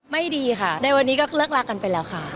ไม่ดีค่ะในวันนี้ก็เลิกรักกันไปแล้วค่ะ